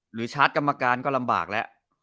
ชาร์จกรรมการก็ลำบากแล้ว